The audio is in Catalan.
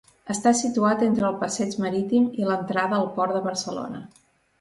Està situat entre el Passeig Marítim i l'entrada al Port de Barcelona.